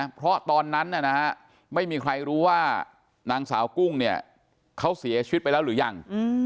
เพราะตอนนั้นไม่มีใครรู้ว่านางสาวกุ้งเนี่ยเขาเสียชีวิตไปแล้วหรือยัง